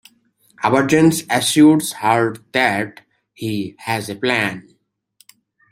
Aberzanes assures her that he has a plan.